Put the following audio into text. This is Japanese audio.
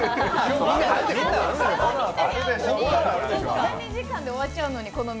この番組は２時間で終わっちゃうのに。